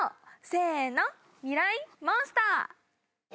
せーのミライ☆モンスター。